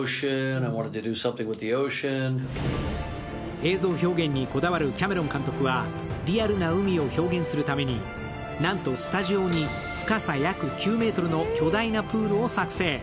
映像表現にこだわるキャメロン監督は、リアルな海を表現するためになんとスタジオに深さ約９ｍの巨大なプールを作成。